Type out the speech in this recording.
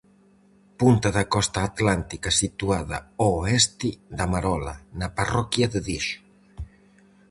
Punta da costa atlántica situada ao oeste da Marola, na parroquia de Dexo.